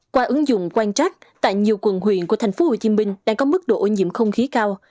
qua ứng dụng quan trắc tại nhiều quần huyện của thành phố hồ chí minh đang có mức độ ô nhiễm không khí cao